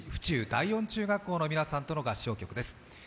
第四中学校の皆さんとの大合唱です。